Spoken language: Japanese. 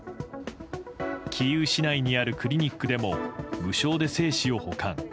キーウ市内にあるクリニックでも無償で精子を保管。